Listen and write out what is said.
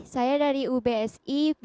saya dari ubsi